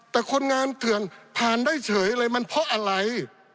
แต่คนงานเถื่อนผ่านได้เฉยเลยมันเพราะอะไร